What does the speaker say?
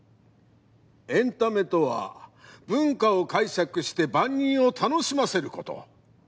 エンタメとは文化を解釈して万人を楽しませること。